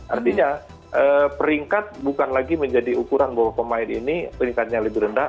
artinya peringkat bukan lagi menjadi ukuran bahwa pemain ini peringkatnya lebih rendah